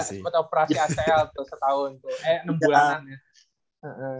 seperti operasi acl tuh setahun tuh eh enam bulan